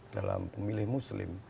dalam pemilih muslim